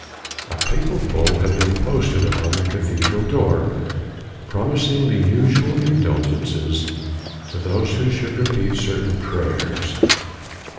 A papal bull had been posted on the cathedral door, promising the usual indulgences to those who should repeat certain prayers.